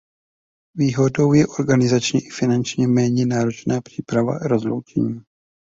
Výhodou je organizačně i finančně méně náročná příprava rozloučení.